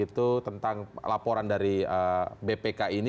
tentang laporan dari bpk ini